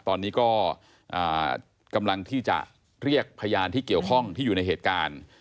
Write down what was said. ตอนนี้ก็กำลังที่จะเรียกพยานที่เกี่ยวข้องที่อยู่ในเหตุการณ์